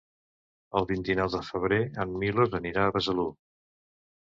El vint-i-nou de febrer en Milos anirà a Besalú.